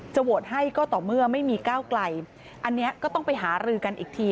โหวตให้ก็ต่อเมื่อไม่มีก้าวไกลอันนี้ก็ต้องไปหารือกันอีกที